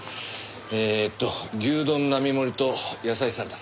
えーと牛丼並盛と野菜サラダ。